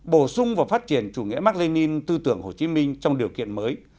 bổ sung và phát triển chủ nghĩa mạc lê ninh tư tưởng hồ chí minh trong điều kiện mới